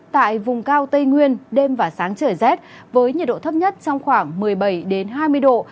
tại vùng cao tây nguyên đêm và sáng trời rét với nhiệt độ thấp nhất trong khoảng một mươi bảy hai mươi độ